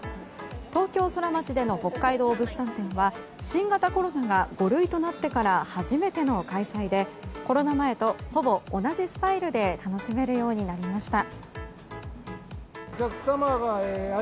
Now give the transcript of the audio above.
東京ソラマチでの北海道物産展は新型コロナが５類となってから初めての開催でコロナ前とほぼ同じスタイルで楽しめるようになりました。